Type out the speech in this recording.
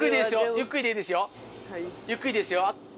ゆっくりでいいですよ。